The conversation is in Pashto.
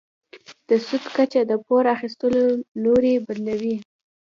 د سود کچه د پور اخیستلو لوری بدلوي.